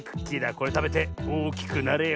これたべておおきくなれよ。